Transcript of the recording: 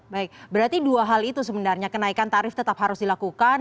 baik berarti dua hal itu sebenarnya kenaikan tarif tetap harus dilakukan